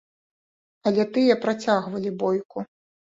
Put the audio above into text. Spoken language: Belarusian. Але тыя працягвалі бойку.